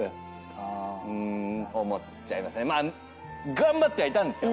頑張ってはいたんですよ。